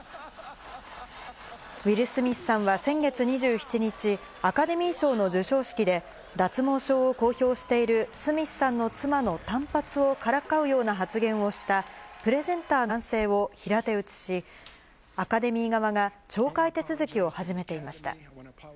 ウィル・スミスさんは先月２７日、アカデミー賞の授賞式で、脱毛症を公表しているスミスさんの妻の短髪をからかうような発言をした、プレゼンターの男性を平手打ちし、アカデミー側が懲戒手続きを始めていました。